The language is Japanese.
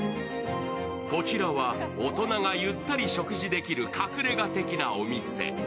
こちらは大人がゆったり食事できる隠れ家的なお店。